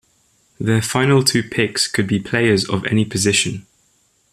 Their final two picks could be players of any position.